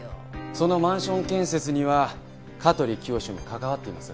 そのマンション建設には香取清も関わっています。